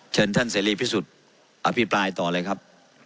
เชิญท่านเซรีพี่สุดอภิคนาคต่อเลยครับ